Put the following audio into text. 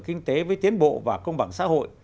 kinh tế với tiến bộ và công bằng xã hội